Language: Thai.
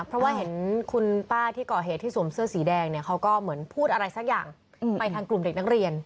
เพราะว่าเห็นคุณป้าที่ก่อเหตุที่สวมเสื้อสีแดงเนี่ยเขาก็เหมือนพูดอะไรสักอย่างไปทางกลุ่มเด็กนักเรียน